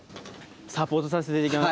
サポートさせていただきます。